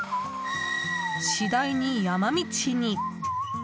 次第に山道に。